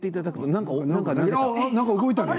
何か動いたね。